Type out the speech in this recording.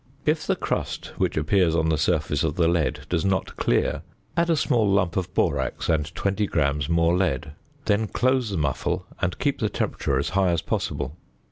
If the crust which appears on the surface of the lead does not clear, add a small lump of borax and 20 grams more lead; then close the muffle, and keep the temperature as high as possible.